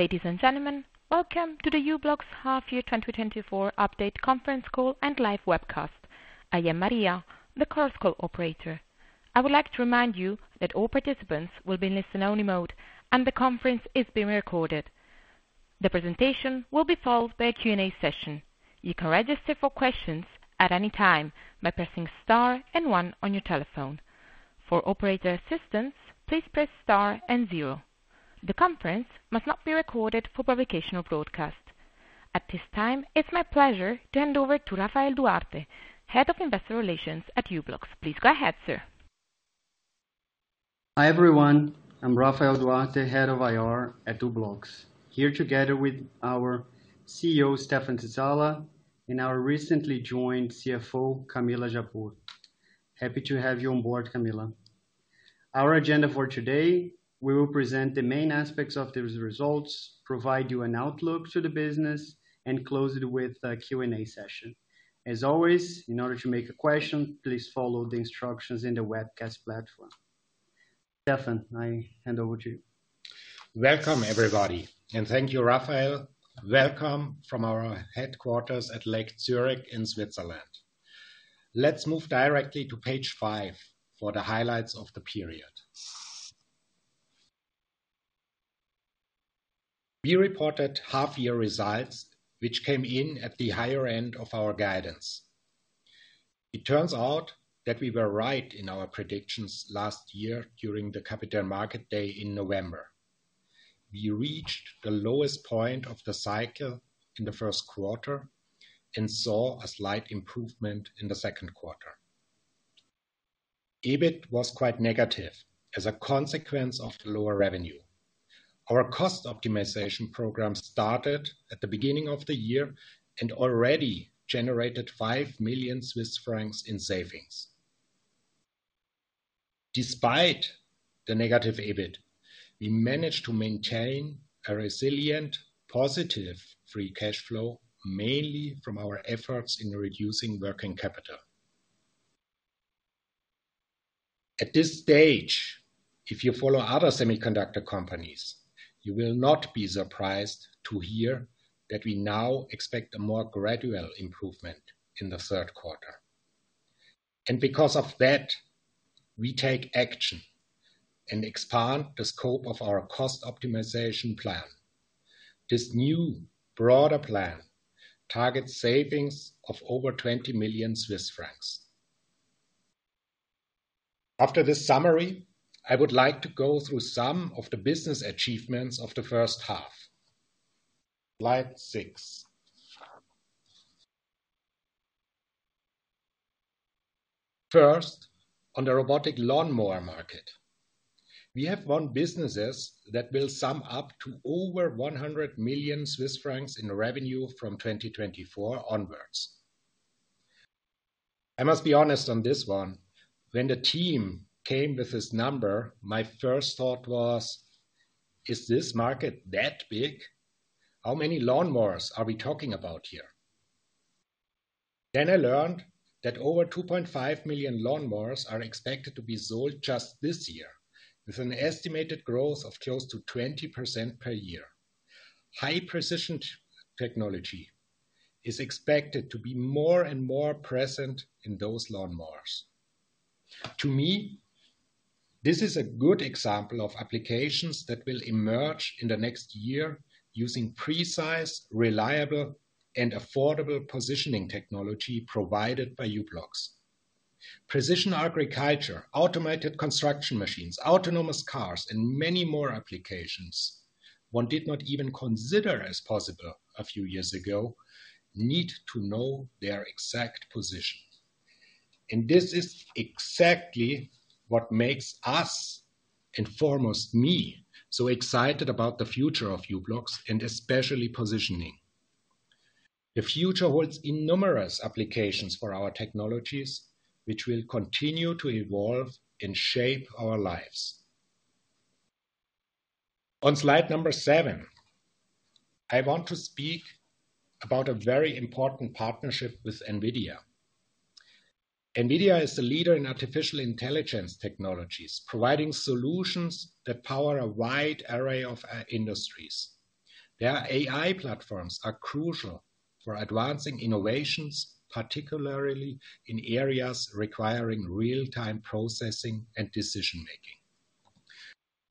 Ladies and gentlemen, welcome to the u-blox Half Year 2024 Update conference call and live webcast. I am Maria, the conference call operator. I would like to remind you that all participants will be in listen-only mode, and the conference is being recorded. The presentation will be followed by a Q&A session. You can register for questions at any time by pressing star and one on your telephone. For operator assistance, please press star and zero. The conference must not be recorded for publication or broadcast. At this time, it's my pleasure to hand over to Rafael Duarte, Head of Investor Relations at u-blox. Please go ahead, sir. Hi, everyone. I'm Rafael Duarte, Head of IR at u-blox, here together with our CEO, Stephan Zizala, and our recently joined CFO, Camila Japur. Happy to have you on board, Camila. Our agenda for today, we will present the main aspects of these results, provide you an outlook to the business, and close it with a Q&A session. As always, in order to make a question, please follow the instructions in the webcast platform. Stephan, I hand over to you. Welcome, everybody, and thank you, Rafael. Welcome from our headquarters at Lake Zurich in Switzerland. Let's move directly to page 5 for the highlights of the period. We reported half-year results, which came in at the higher end of our guidance. It turns out that we were right in our predictions last year during the Capital Market Day in November. We reached the lowest point of the cycle in the first quarter and saw a slight improvement in the second quarter. EBIT was quite negative as a consequence of the lower revenue. Our cost optimization program started at the beginning of the year and already generated 5 million Swiss francs in savings. Despite the negative EBIT, we managed to maintain a resilient, positive free cash flow, mainly from our efforts in reducing working capital. At this stage, if you follow other semiconductor companies, you will not be surprised to hear that we now expect a more gradual improvement in the third quarter. And because of that, we take action and expand the scope of our cost optimization plan. This new, broader plan targets savings of over 20 million Swiss francs. After this summary, I would like to go through some of the business achievements of the first half. Slide 6. First, on the robotic lawnmower market, we have won businesses that will sum up to over 100 million Swiss francs in revenue from 2024 onwards. I must be honest on this one, when the team came with this number, my first thought was: Is this market that big? How many lawnmowers are we talking about here? Then I learned that over 2.5 million lawnmowers are expected to be sold just this year, with an estimated growth of close to 20% per year. High precision technology is expected to be more and more present in those lawnmowers. To me, this is a good example of applications that will emerge in the next year using precise, reliable, and affordable positioning technology provided by u-blox. Precision agriculture, automated construction machines, autonomous cars, and many more applications one did not even consider as possible a few years ago, need to know their exact position. And this is exactly what makes us, and foremost me, so excited about the future of u-blox and especially positioning. The future holds innumerous applications for our technologies, which will continue to evolve and shape our lives. On slide number seven, I want to speak about a very important partnership with NVIDIA. NVIDIA is the leader in artificial intelligence technologies, providing solutions that power a wide array of industries. Their AI platforms are crucial for advancing innovations, particularly in areas requiring real-time processing and decision-making.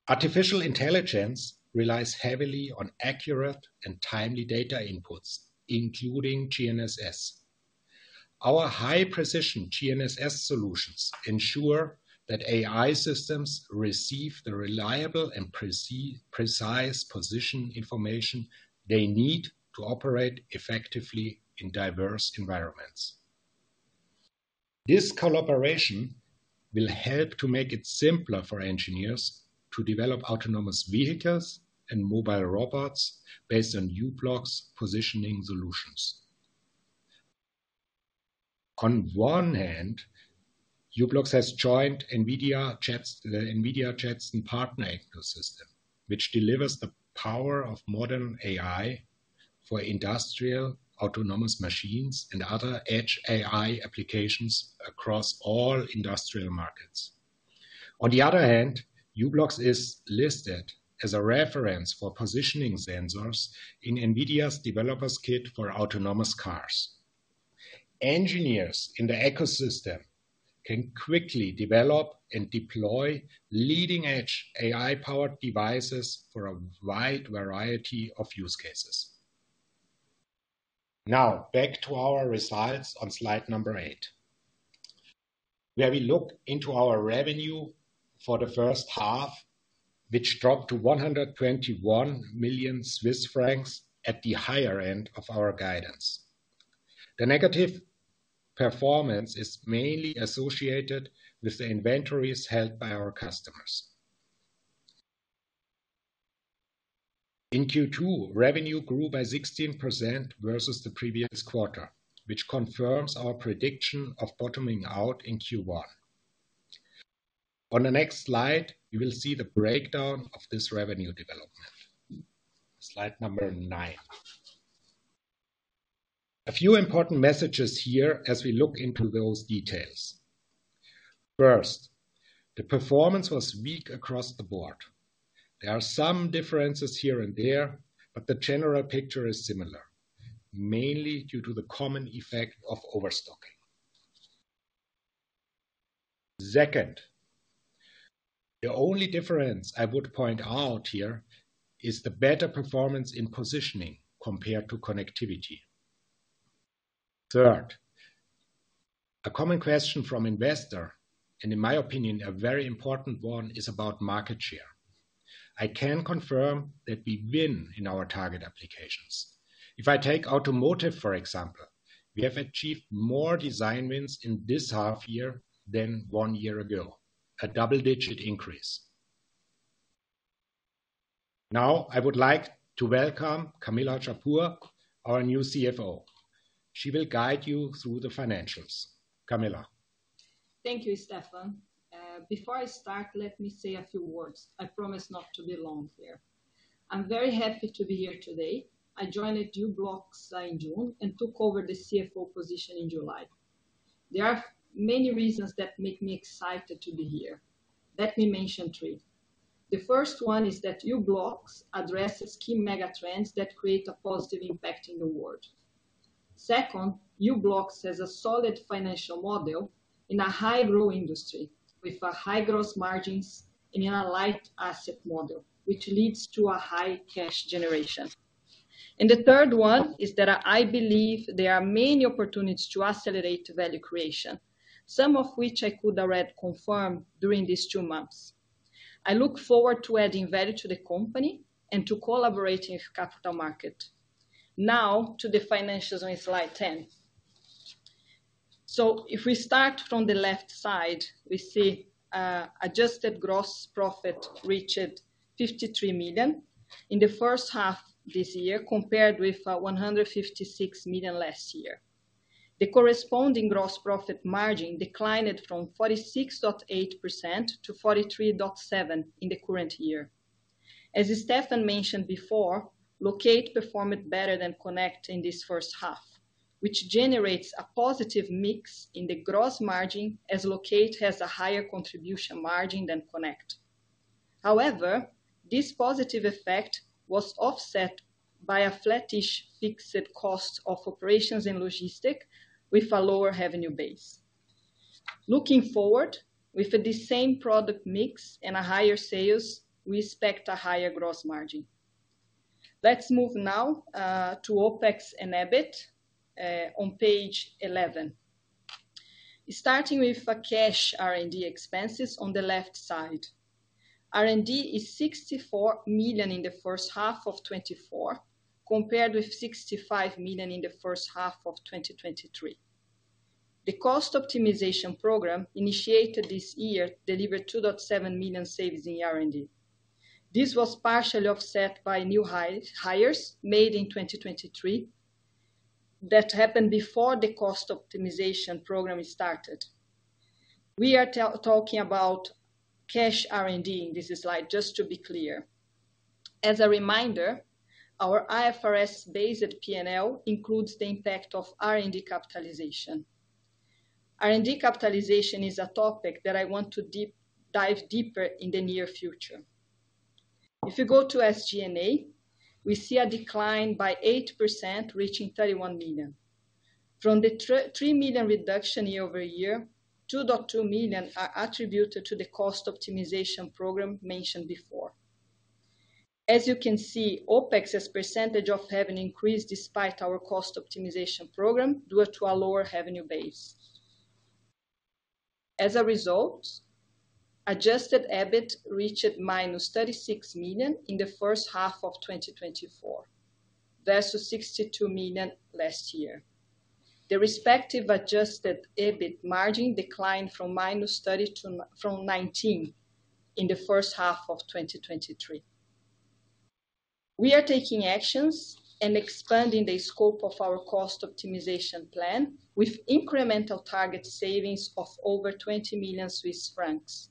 Artificial intelligence relies heavily on accurate and timely data inputs, including GNSS. Our high-precision GNSS solutions ensure that AI systems receive the reliable and precise position information they need to operate effectively in diverse environments. This collaboration will help to make it simpler for engineers to develop autonomous vehicles and mobile robots based on u-blox positioning solutions. On one hand, u-blox has joined the NVIDIA Jetson partner ecosystem, which delivers the power of modern AI for industrial, autonomous machines, and other edge AI applications across all industrial markets. On the other hand, u-blox is listed as a reference for positioning sensors in NVIDIA's developer's kit for autonomous cars. Engineers in the ecosystem can quickly develop and deploy leading-edge AI-powered devices for a wide variety of use cases. Now, back to our results on slide number 8, where we look into our revenue for the first half, which dropped to 121 million Swiss francs at the higher end of our guidance. The negative performance is mainly associated with the inventories held by our customers. In Q2, revenue grew by 16% versus the previous quarter, which confirms our prediction of bottoming out in Q1. On the next slide, you will see the breakdown of this revenue development. Slide number 9. A few important messages here as we look into those details. First, the performance was weak across the board. There are some differences here and there, but the general picture is similar, mainly due to the common effect of overstocking. Second, the only difference I would point out here is the better performance in positioning compared to connectivity. Third, a common question from investor, and in my opinion, a very important one, is about market share. I can confirm that we win in our target applications. If I take automotive, for example, we have achieved more design wins in this half year than one year ago, a double-digit increase. Now, I would like to welcome Camila Japur, our new CFO. She will guide you through the financials. Camila? Thank you, Stephan. Before I start, let me say a few words. I promise not to be long here. I'm very happy to be here today. I joined at u-blox in June and took over the CFO position in July. There are many reasons that make me excited to be here. Let me mention three. The first one is that u-blox addresses key mega trends that create a positive impact in the world. Second, u-blox has a solid financial model in a high-growth industry, with a high gross margins in a light asset model, which leads to a high cash generation. The third one is that I believe there are many opportunities to accelerate value creation, some of which I could already confirm during these two months. I look forward to adding value to the company and to collaborating with capital market. Now, to the financials on slide 10. So if we start from the left side, we see, adjusted gross profit reached 53 million in the first half this year, compared with, one hundred and fifty-six million last year. The corresponding gross profit margin declined from 46.8% to 43.7% in the current year. As Stephan mentioned before, Locate performed better than Connect in this first half, which generates a positive mix in the gross margin, as Locate has a higher contribution margin than Connect. However, this positive effect was offset by a flattish fixed cost of operations and logistics with a lower revenue base. Looking forward, with the same product mix and a higher sales, we expect a higher gross margin. Let's move now, to OpEx and EBIT, on page 11. Starting with cash R&D expenses on the left side. R&D is 64 million in the first half of 2024, compared with 65 million in the first half of 2023. The cost optimization program, initiated this year, delivered 2.7 million savings in R&D. This was partially offset by new hires, hires made in 2023, that happened before the cost optimization program started. We are talking about cash R&D in this slide, just to be clear. As a reminder, our IFRS-based P&L includes the impact of R&D capitalization. R&D capitalization is a topic that I want to dive deeper in the near future. If you go to SG&A, we see a decline by 8%, reaching 31 million. From the three million reduction year-over-year, 2.2 million are attributed to the cost optimization program mentioned before. As you can see, OpEx as percentage of revenue increased despite our cost optimization program, due to a lower revenue base. As a result, adjusted EBIT reached -36 million in the first half of 2024, versus 62 million last year. The respective adjusted EBIT margin declined from -30% to 19% in the first half of 2023. We are taking actions and expanding the scope of our cost optimization plan with incremental target savings of over 20 million Swiss francs,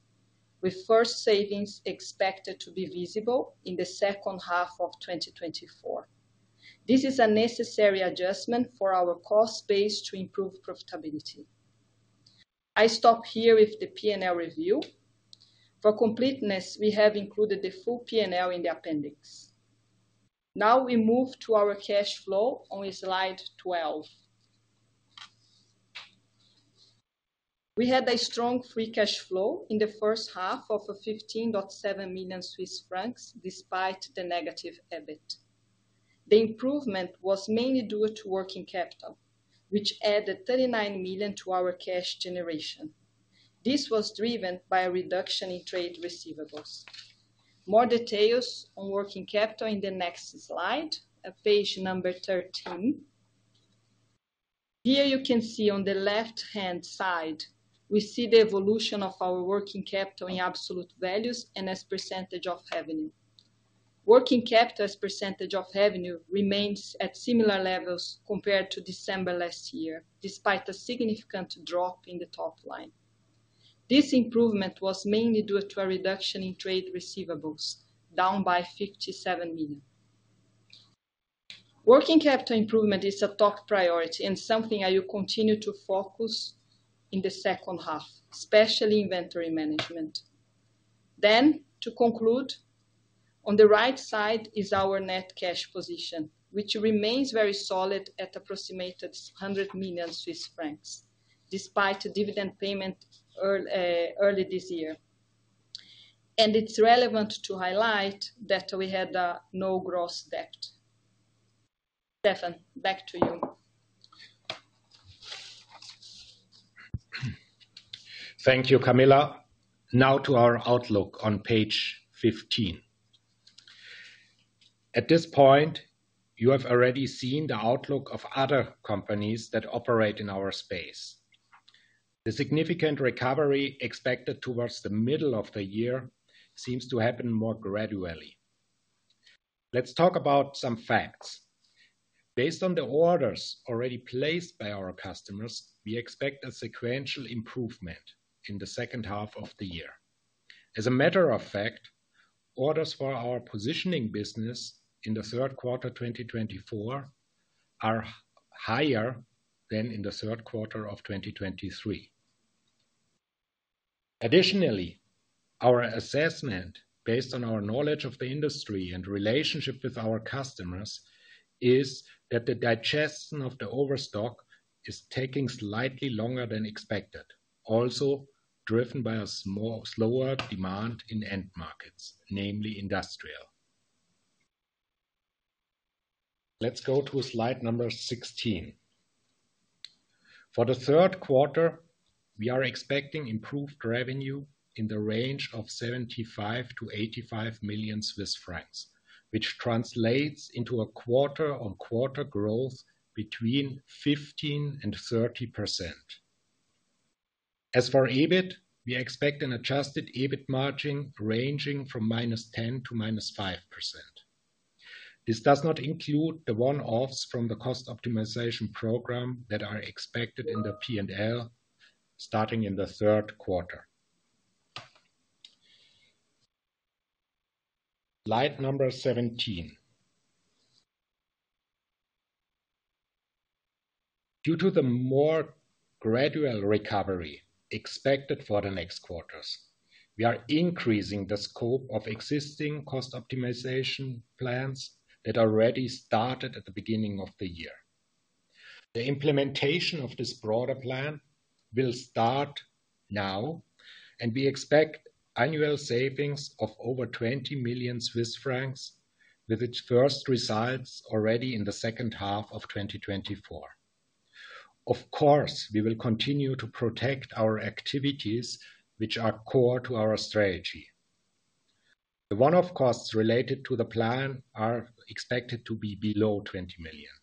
with first savings expected to be visible in the second half of 2024. This is a necessary adjustment for our cost base to improve profitability. I stop here with the P&L review. For completeness, we have included the full P&L in the appendix. Now we move to our cash flow on slide 12. We had a strong free cash flow in the first half of 15.7 million Swiss francs, despite the negative EBIT. The improvement was mainly due to working capital, which added 39 million to our cash generation. This was driven by a reduction in trade receivables. More details on working capital in the next slide, at page 13. Here you can see on the left-hand side, we see the evolution of our working capital in absolute values and as % of revenue. Working capital as % of revenue remains at similar levels compared to December last year, despite a significant drop in the top line. This improvement was mainly due to a reduction in trade receivables, down by 57 million. Working capital improvement is a top priority and something I will continue to focus in the second half, especially inventory management. To conclude, on the right side is our net cash position, which remains very solid at approximately 100 million Swiss francs, despite a dividend payment early this year. And it's relevant to highlight that we had no gross debt. Stephan, back to you. Thank you, Camila. Now to our outlook on page 15. At this point, you have already seen the outlook of other companies that operate in our space. The significant recovery expected towards the middle of the year seems to happen more gradually. Let's talk about some facts. Based on the orders already placed by our customers, we expect a sequential improvement in the second half of the year. As a matter of fact, orders for our positioning business in the third quarter 2024, are higher than in the third quarter of 2023. Additionally, our assessment, based on our knowledge of the industry and relationship with our customers, is that the digestion of the overstock is taking slightly longer than expected, also driven by a slower demand in end markets, namely industrial. Let's go to slide number 16. For the third quarter, we are expecting improved revenue in the range of 75 million-85 million Swiss francs, which translates into a quarter-on-quarter growth between 15% and 30%. As for EBIT, we expect an adjusted EBIT margin ranging from -10% to -5%. This does not include the one-offs from the cost optimization program that are expected in the P&L, starting in the third quarter. Slide number 17. Due to the more gradual recovery expected for the next quarters, we are increasing the scope of existing cost optimization plans that already started at the beginning of the year. The implementation of this broader plan will start now, and we expect annual savings of over 20 million Swiss francs, with its first results already in the second half of 2024. Of course, we will continue to protect our activities, which are core to our strategy. The one-off costs related to the plan are expected to be below 20 million.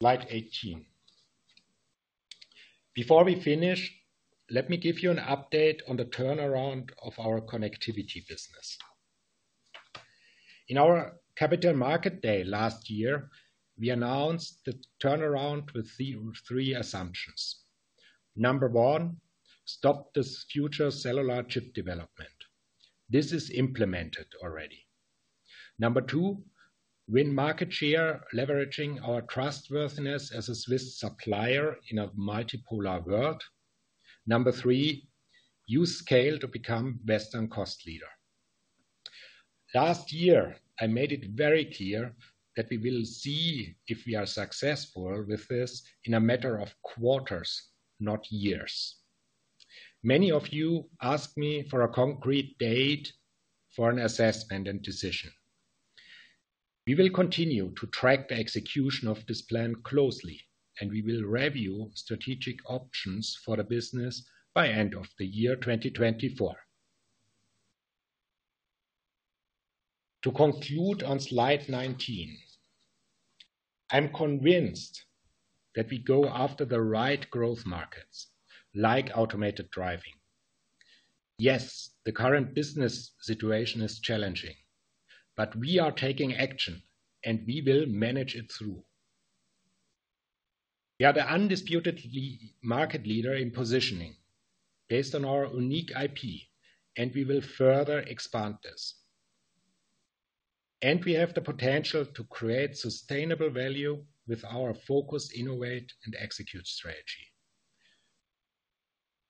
Slide 18. Before we finish, let me give you an update on the turnaround of our connectivity business. In our Capital Market Day last year, we announced the turnaround with the three assumptions. Number one: stop this future cellular chip development. This is implemented already. Number two: win market share, leveraging our trustworthiness as a Swiss supplier in a multipolar world. Number three: use scale to become best and cost leader. Last year, I made it very clear that we will see if we are successful with this in a matter of quarters, not years. Many of you asked me for a concrete date for an assessment and decision. We will continue to track the execution of this plan closely, and we will review strategic options for the business by end of the year 2024. To conclude on slide 19, I'm convinced that we go after the right growth markets, like automated driving. Yes, the current business situation is challenging, but we are taking action, and we will manage it through. We are the undisputed market leader in positioning based on our unique IP, and we will further expand this. And we have the potential to create sustainable value with our focused innovate and execute strategy.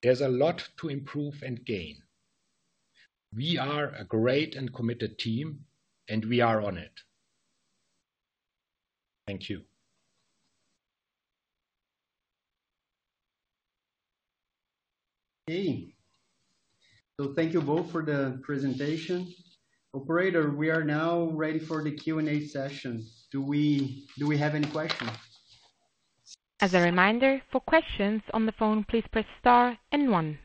There's a lot to improve and gain. We are a great and committed team, and we are on it. Thank you. Hey! So thank you both for the presentation. Operator, we are now ready for the Q&A session. Do we, do we have any questions? As a reminder, for questions on the phone, please press star and one.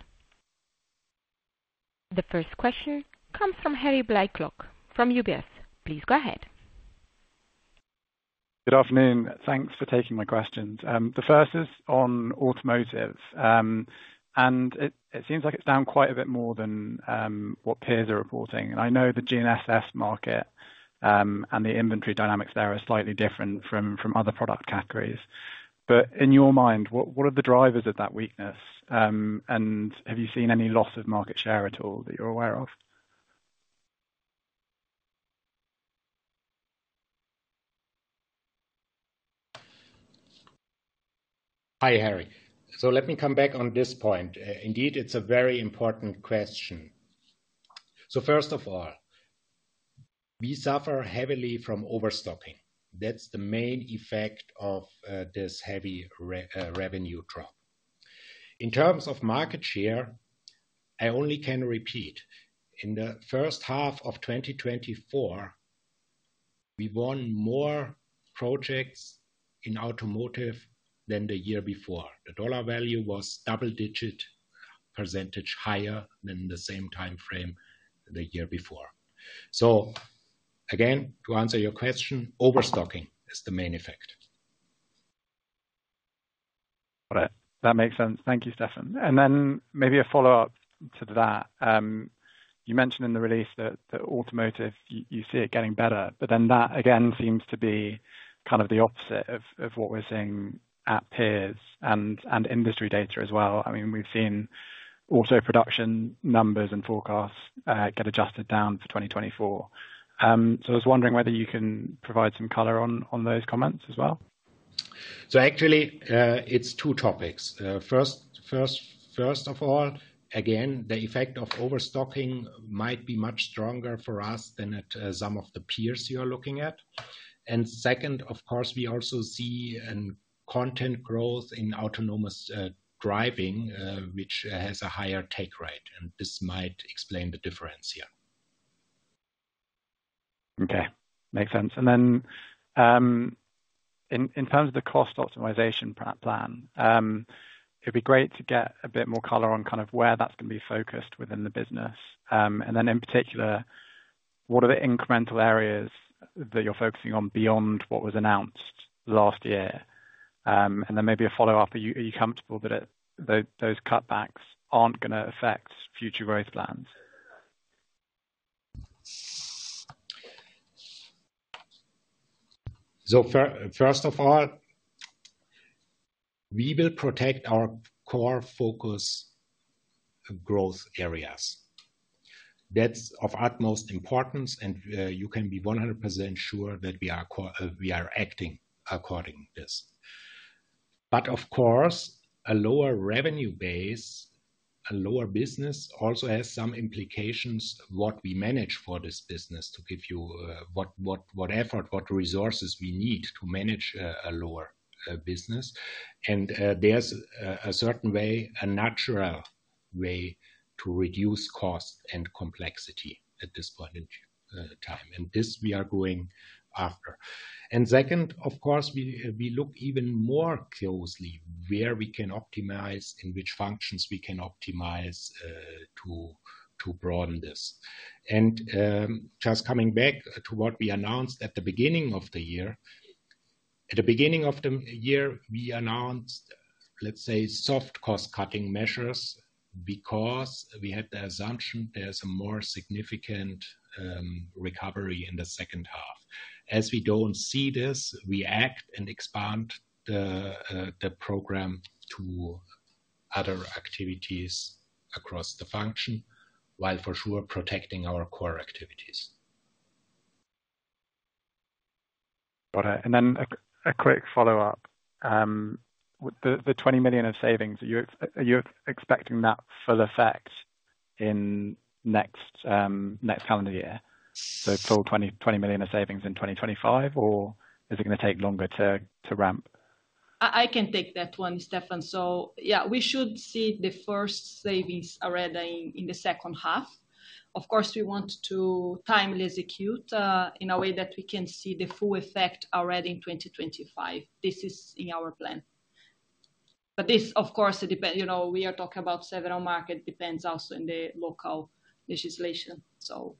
The first question comes from Harry Blaiklock, from UBS. Please go ahead. Good afternoon. Thanks for taking my questions. The first is on automotive. And it seems like it's down quite a bit more than what peers are reporting. I know the GNSS market, and the inventory dynamics there are slightly different from other product categories. But in your mind, what are the drivers of that weakness? And have you seen any loss of market share at all that you're aware of? Hi, Harry. So let me come back on this point. Indeed, it's a very important question. So first of all, we suffer heavily from overstocking. That's the main effect of this heavy revenue drop. In terms of market share, I only can repeat, in the first half of 2024, we won more projects in automotive than the year before. The dollar value was double-digit percentage higher than the same time frame the year before. So again, to answer your question, overstocking is the main effect. Got it. That makes sense. Thank you, Stephan. And then maybe a follow-up to that. You mentioned in the release that automotive, you see it getting better, but then that, again, seems to be kind of the opposite of what we're seeing at peers and industry data as well. I mean, we've seen auto production numbers and forecasts get adjusted down for 2024. So I was wondering whether you can provide some color on those comments as well. So actually, it's two topics. First of all, again, the effect of overstocking might be much stronger for us than at some of the peers you are looking at. And second, of course, we also see a content growth in autonomous driving, which has a higher take rate, and this might explain the difference here. Okay, makes sense. And then, in terms of the cost optimization plan, it'd be great to get a bit more color on kind of where that's going to be focused within the business. And then in particular, what are the incremental areas that you're focusing on beyond what was announced last year? And then maybe a follow-up: are you comfortable that those cutbacks aren't gonna affect future growth plans? First of all, we will protect our core focus growth areas. That's of utmost importance, and you can be 100% sure that we are acting according this. But of course, a lower revenue base, a lower business, also has some implications, what we manage for this business, to give you what effort, what resources we need to manage a lower business. And there's a certain way, a natural way to reduce cost and complexity at this point in time. And this we are going after. And second, of course, we look even more closely where we can optimize, in which functions we can optimize, to broaden this. And just coming back to what we announced at the beginning of the year. At the beginning of the year, we announced, let's say, soft cost-cutting measures because we had the assumption there's a more significant recovery in the second half. As we don't see this, we act and expand the program to other activities across the function, while for sure, protecting our core activities. Got it. And then a quick follow-up. With the 20 million of savings, are you expecting that full effect in next calendar year? So full 20 million of savings in 2025, or is it going to take longer to ramp? I can take that one, Stephan. So yeah, we should see the first savings already in the second half. Of course, we want to timely execute in a way that we can see the full effect already in 2025. This is in our plan. But this, of course, it depends, you know, we are talking about several markets, depends also on the local legislation. So.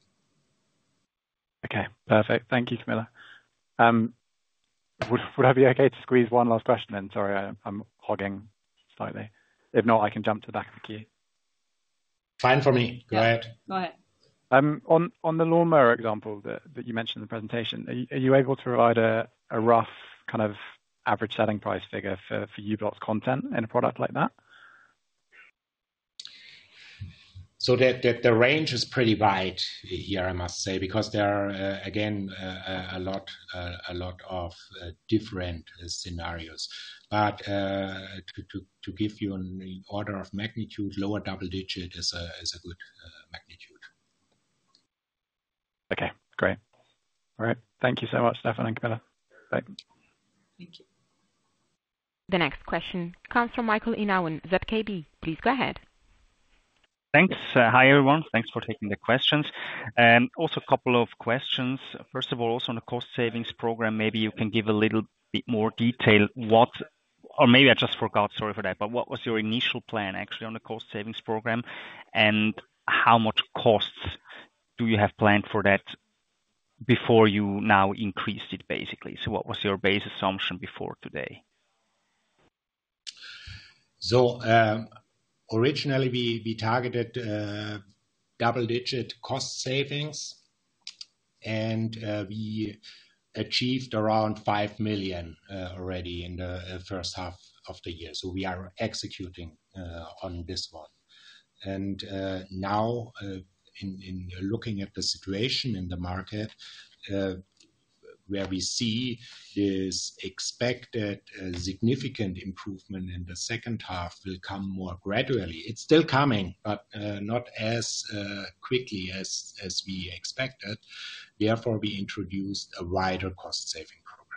Okay, perfect. Thank you, Camila. Would it be okay to squeeze one last question in? Sorry, I'm hogging slightly. If not, I can jump to the back of the queue. Fine for me. Go ahead. Go ahead. On the lawnmower example that you mentioned in the presentation, are you able to provide a rough kind of average selling price figure for u-blox's content in a product like that? So the range is pretty wide here, I must say, because there are again a lot of different scenarios. But to give you an order of magnitude, lower double digit is a good magnitude. Okay, great. All right. Thank you so much, Stephan and Camila. Bye. Thank you. The next question comes from Michael Inauen, ZKB. Please go ahead. Thanks. Hi, everyone. Thanks for taking the questions. Also a couple of questions. First of all, also on the cost savings program, maybe you can give a little bit more detail what, or maybe I just forgot, sorry for that, but what was your initial plan, actually, on the cost savings program? And how much costs do you have planned for that before you now increased it, basically? So what was your base assumption before today? So, originally, we targeted double digit cost savings, and we achieved around 5 million already in the first half of the year. So we are executing on this one. And now, in looking at the situation in the market, where we see is expected a significant improvement in the second half will come more gradually. It's still coming, but not as quickly as we expected. Therefore, we introduced a wider cost-saving program.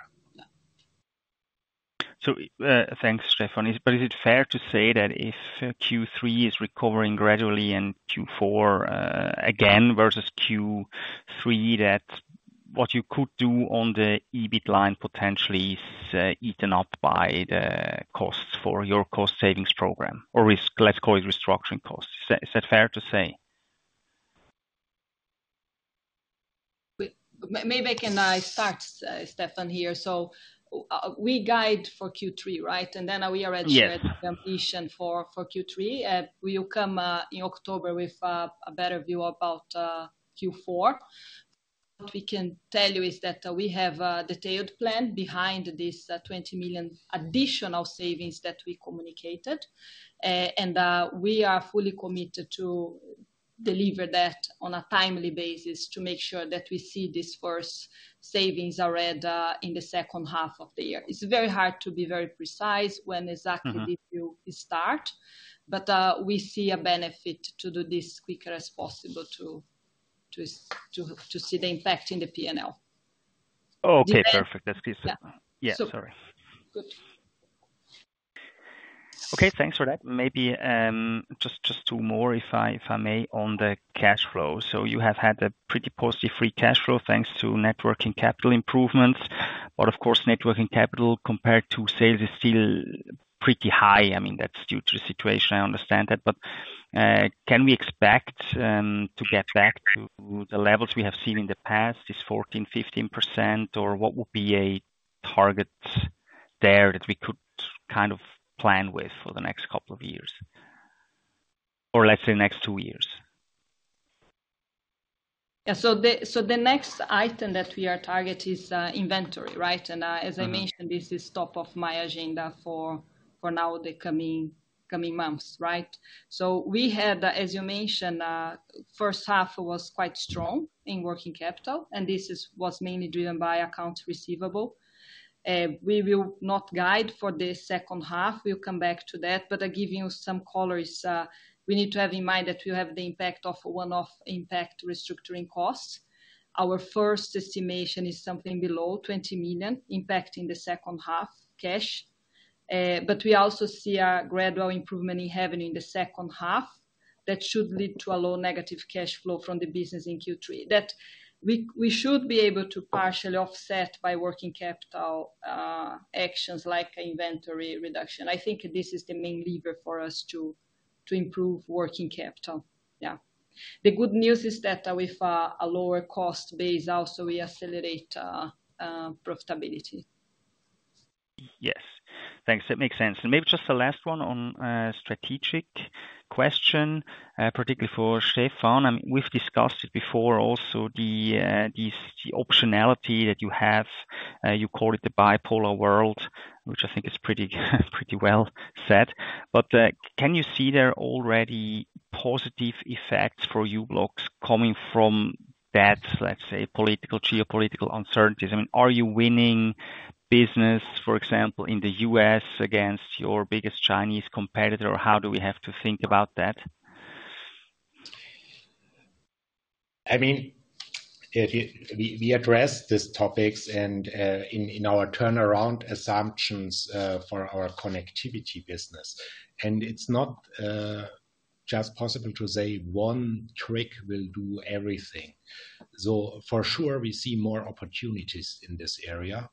Yeah. Thanks, Stephan. But is it fair to say that if Q3 is recovering gradually and Q4, again, versus Q3, that what you could do on the EBIT line potentially is eaten up by the costs for your cost savings program, or risk, let's call it restructuring costs? Is that, is that fair to say? Maybe I can start, Stephan, here. So, we guide for Q3, right? And then we are at- Yes -completion for Q3. We will come in October with a better view about Q4. What we can tell you is that we have a detailed plan behind this 20 million additional savings that we communicated. And we are fully committed to deliver that on a timely basis to make sure that we see this first savings already in the second half of the year. It's very hard to be very precise when exactly- Mm-hmm -we will start, but we see a benefit to do this quicker as possible to see the impact in the P&L. Okay, perfect. That's clear. Yeah. Yeah, sorry. Good. Okay, thanks for that. Maybe just two more, if I may, on the cash flow. So you have had a pretty positive free cash flow, thanks to working capital improvements, but of course, working capital, compared to sales, is still pretty high. I mean, that's due to the situation. I understand that, but can we expect to get back to the levels we have seen in the past, this 14-15%, or what would be a target there that we could kind of plan with for the next couple of years? Or let's say next two years. Yeah, so the next item that we are targeting is inventory, right? Mm-hmm. As I mentioned, this is top of my agenda for now, the coming months, right? So we had, as you mentioned, first half was quite strong in working capital, and this is what's mainly driven by accounts receivable. We will not guide for the second half. We'll come back to that, but I give you some color. We need to have in mind that we have the impact of one-off restructuring costs. Our first estimation is something below 20 million, impacting the second half cash. But we also see a gradual improvement in the second half that should lead to a low negative cash flow from the business in Q3. That we should be able to partially offset by working capital actions like inventory reduction. I think this is the main lever for us to, to improve working capital. Yeah. The good news is that with, a lower cost base also, we accelerate, profitability. Yes. Thanks. That makes sense. And maybe just the last one on, strategic question, particularly for Stefan. I mean, we've discussed it before, also the, this, the optionality that you have, you call it the bipolar world, which I think is pretty, pretty well said. But, can you see there are already positive effects for u-blox coming from that, let's say, political, geopolitical uncertainties? I mean, are you winning business, for example, in the U.S. against your biggest Chinese competitor, or how do we have to think about that? I mean, we address these topics in our turnaround assumptions for our connectivity business. It's not just possible to say one trick will do everything. So for sure, we see more opportunities in this area,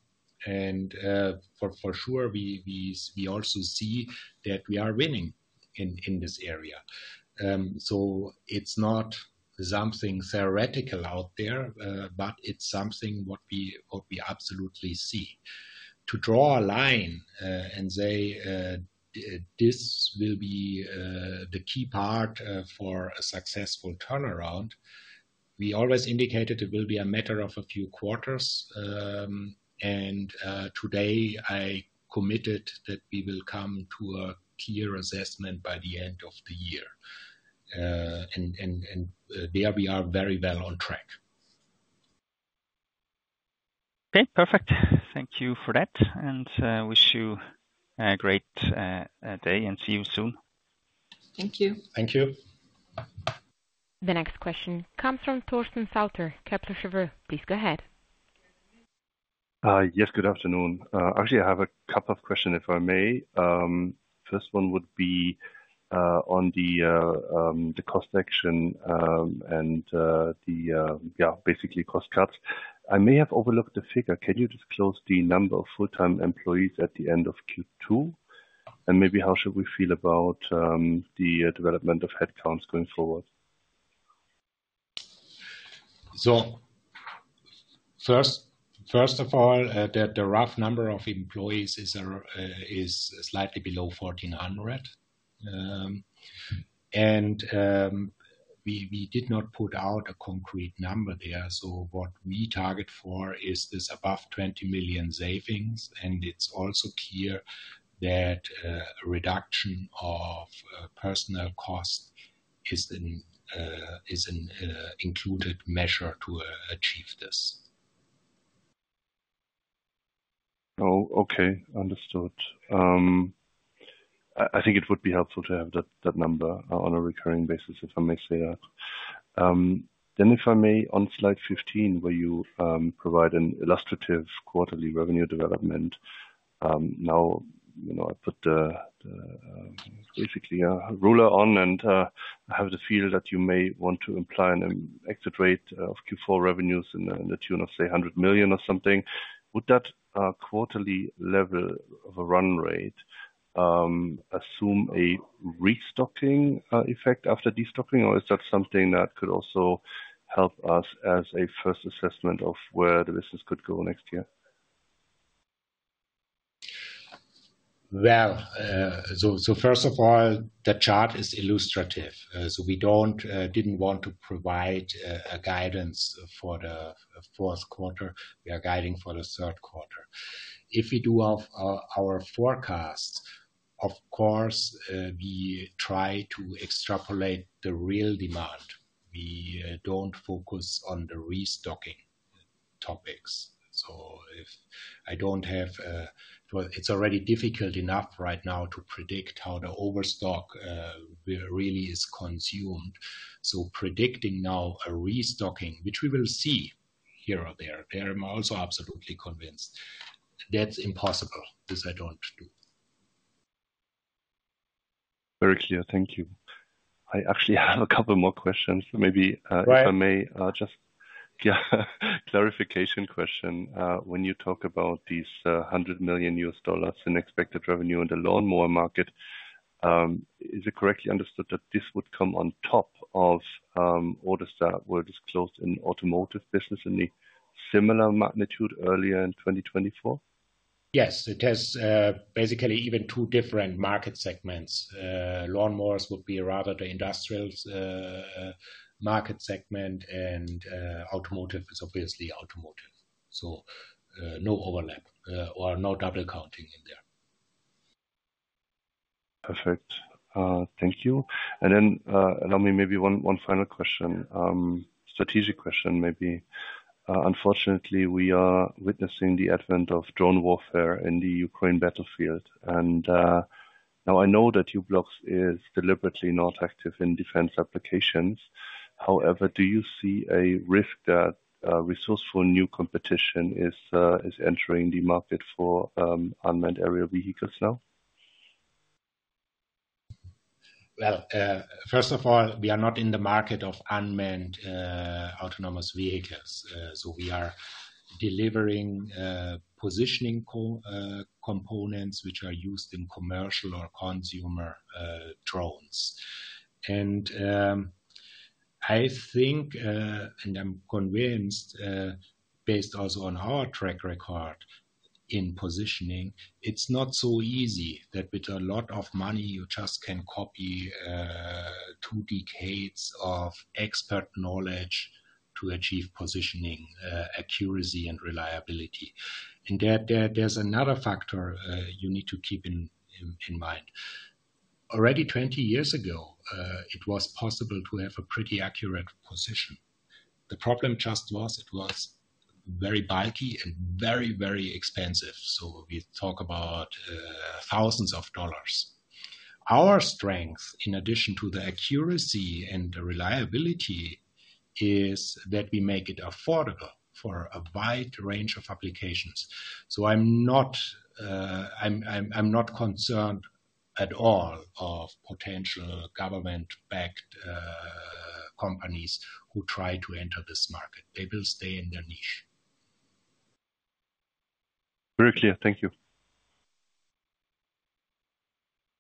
and for sure, we also see that we are winning in this area. So it's not something theoretical out there, but it's something what we absolutely see. To draw a line and say this will be the key part for a successful turnaround. We always indicated it will be a matter of a few quarters, and today I committed that we will come to a clear assessment by the end of the year. And there we are very well on track. Okay, perfect. Thank you for that, and wish you a great day, and see you soon. Thank you. Thank you. The next question comes from Torsten Sauter, Kepler Cheuvreux. Please go ahead. Yes, good afternoon. Actually, I have a couple of questions, if I may. First one would be on the cost action and basically cost cuts. I may have overlooked the figure. Can you just quote the number of full-time employees at the end of Q2? And maybe how should we feel about the development of headcounts going forward? So first of all, the rough number of employees is slightly below 1,400. We did not put out a concrete number there, so what we target for is this above 20 million savings, and it's also clear that a reduction of personnel costs is an included measure to achieve this. Oh, okay. Understood. I think it would be helpful to have that number on a recurring basis, if I may say that. Then, if I may, on slide 15, where you provide an illustrative quarterly revenue development, now, you know, I put the basically a ruler on and have the feel that you may want to imply an exit rate of Q4 revenues in the tune of, say, 100 million or something. Would that quarterly level of a run rate assume a restocking effect after destocking? Or is that something that could also help us as a first assessment of where the business could go next year? Well, so first of all, the chart is illustrative. So we didn't want to provide a guidance for the fourth quarter. We are guiding for the third quarter. If we do have our forecasts, of course, we try to extrapolate the real demand. We don't focus on the restocking topics. So if I don't have, we'll, it's already difficult enough right now to predict how the overstock really is consumed. So predicting now a restocking, which we will see here or there. There, I'm also absolutely convinced. That's impossible. This I don't do. Very clear. Thank you. I actually have a couple more questions. Maybe, Right. If I may, just clarification question. When you talk about these $100 million in expected revenue in the lawnmower market, is it correctly understood that this would come on top of orders that were disclosed in automotive business in the similar magnitude earlier in 2024? Yes. It has basically even two different market segments. Lawnmowers would be rather the industrials market segment, and automotive is obviously automotive. So, no overlap or no double counting in there. Perfect. Thank you. Allow me maybe one final question, strategic question maybe. Unfortunately, we are witnessing the advent of drone warfare in the Ukraine battlefield, and now I know that u-blox is deliberately not active in defense applications. However, do you see a risk that resourceful new competition is entering the market for unmanned aerial vehicles now? Well, first of all, we are not in the market of unmanned autonomous vehicles. So we are delivering positioning components which are used in commercial or consumer drones. And I think, and I'm convinced, based also on our track record in positioning, it's not so easy that with a lot of money, you just can copy two decades of expert knowledge to achieve positioning accuracy, and reliability. And there's another factor you need to keep in mind. Already 20 years ago, it was possible to have a pretty accurate position. The problem just was, it was very bulky and very, very expensive, so we talk about thousands of dollars. Our strength, in addition to the accuracy and the reliability, is that we make it affordable for a wide range of applications. So I'm not concerned at all of potential government-backed companies who try to enter this market. They will stay in their niche. Very clear. Thank you.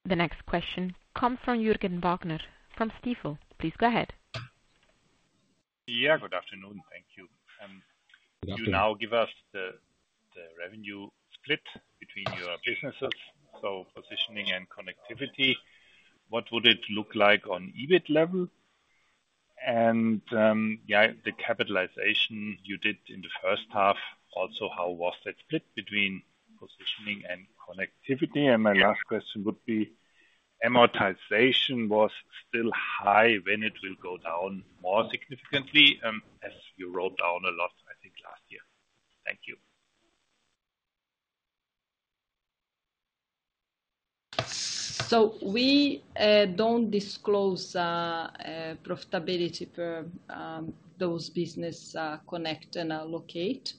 The next question comes from Jürgen Wagner, from Stifel. Please go ahead. Yeah, good afternoon. Thank you. Good afternoon. You now give us the- -the revenue split between your businesses, so positioning and connectivity, what would it look like on EBIT level? And, yeah, the capitalization you did in the first half, also, how was that split between positioning and connectivity? And my last question would be, amortization was still high, when it will go down more significantly, as you wrote down a lot, I think, last year. Thank you. So we don't disclose profitability per those business Connect and Locate.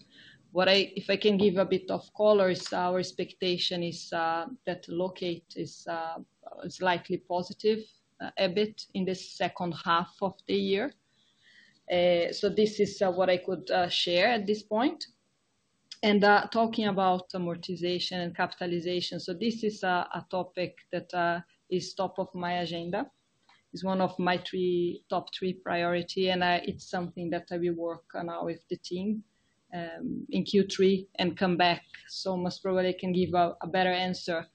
If I can give a bit of color, is our expectation is that locate is likely positive a bit in the second half of the year. So this is what I could share at this point. And talking about amortization and capitalization, so this is a topic that is top of my agenda. Is one of my three top three priority, and it's something that I will work on now with the team in Q3 and come back. So most probably I can give a better answer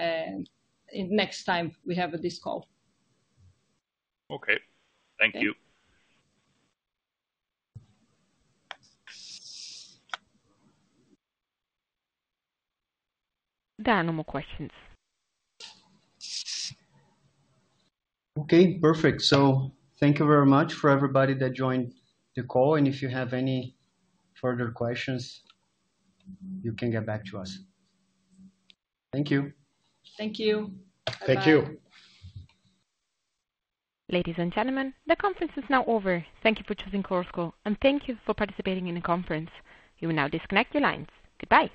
in next time we have this call. Okay. Thank you. There are no more questions. Okay, perfect. Thank you very much for everybody that joined the call, and if you have any further questions, you can get back to us. Thank you. Thank you. Thank you. Ladies and gentlemen, the conference is now over. Thank you for choosing Chorus Call, and thank you for participating in the conference. You will now disconnect your lines. Goodbye.